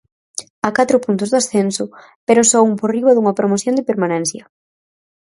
A catro puntos do ascenso, pero só un por riba dunha promoción de permanencia.